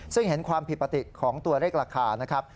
ซึ่งเห็นความผิดปกติของตัวเลขราคานะครับ